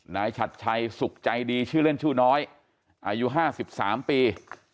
นายฉัดชัยสุขใจดีชื่อเล่นชู่น้อยอายุห้าสิบสามปี